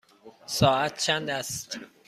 ساعت چند است؟